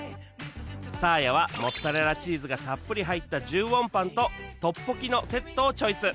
サーヤはモッツァレラチーズがたっぷり入った１０ウォンパンとトッポキのセットをチョイス